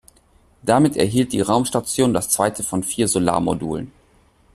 Damit erhielt die Raumstation das zweite von vier Solarmodulen.